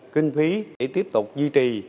kinh phí để tiếp tục duy trì